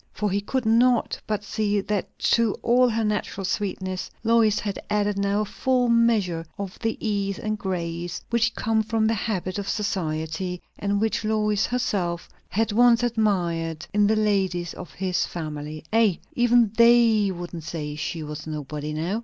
For he could not but see that to all her natural sweetness Lois had added now a full measure of the ease and grace which come from the habit of society, and which Lois herself had once admired in the ladies of his family. "Ay, even they wouldn't say she was nobody now!"